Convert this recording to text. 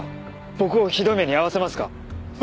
僕をひどい目に遭わせますか？